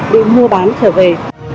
bị mua bán trở về